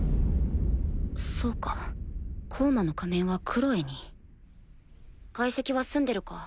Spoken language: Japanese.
そうか抗魔の仮面はクロエに解析は済んでるか？